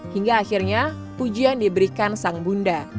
hingga akhirnya pujian diberikan sang bunda